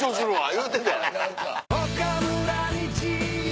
言うてたやん。